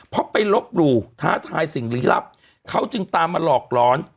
เพราะไปลบหลู่ท้าทายสิ่งลี้ลับเขาจึงตามมาหลอกร้อน